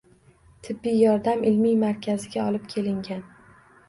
Tibbiy yordam ilmiy markaziga olib kelingan.